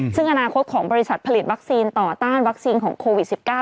ซึ่งอนาคตของบริษัทผลิตวัคซีนต่อต้านวัคซีนของโควิด๑๙